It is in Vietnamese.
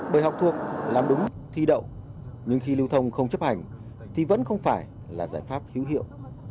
bởi học thuộc làm đúng thi đậu nhưng khi lưu thông không chấp hành thì vẫn không phải là giải pháp hữu hiệu